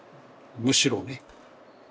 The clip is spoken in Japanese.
むしろね。